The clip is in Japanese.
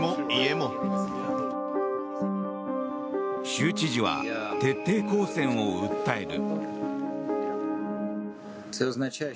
州知事は、徹底抗戦を訴える。